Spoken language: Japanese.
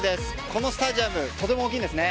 このスタジアムとても大きいんですね。